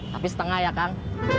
tapi setengah ya kang